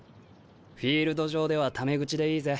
フィールド上ではため口でいいぜ。